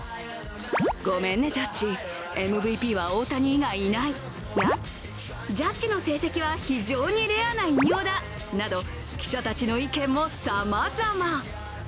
ごめんね、ジャッジＭＶＰは大谷以外いないやジャッジの成績は非常にレアな偉業だなど、記者たちの意見もさまざま。